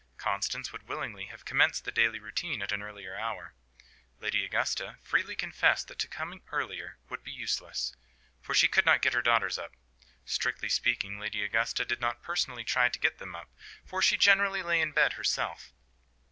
Constance would willingly have commenced the daily routine at an earlier hour. Lady Augusta freely confessed that to come earlier would be useless, for she could not get her daughters up. Strictly speaking, Lady Augusta did not personally try to get them up, for she generally lay in bed herself.